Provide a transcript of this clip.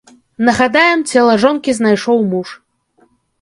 Нагадаем, цела жонкі знайшоў муж.